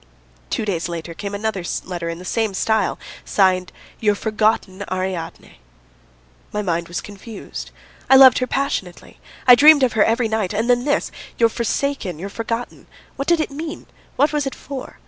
Two days later came another letter in the same style, signed "Your forgotten Ariadne." My mind was confused. I loved her passionately, I dreamed of her every night, and then this "your forsaken," "your forgotten" what did it mean? What was it for?